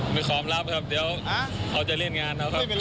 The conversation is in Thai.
ไม่ถามรับครับเดี๋ยวเอาใจเรียนงานนะครับ